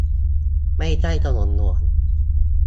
ไม่ใช่ถนนหลวง